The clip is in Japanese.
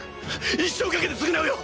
一生懸けて償うよ！